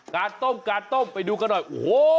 การต้มไปดูกันหน่อยโอ้โห